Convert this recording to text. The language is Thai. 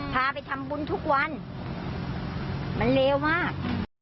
พาไปทำบุญทุกวันมันเลวมาก